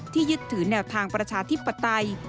ยึดถือแนวทางประชาธิปไตย